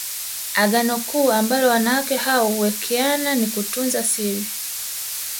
Agano kuu ambalo wanawake hao huwekeana ni kutunza siri